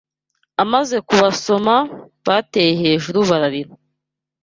Amaze kubasoma, bateye hejuru bararira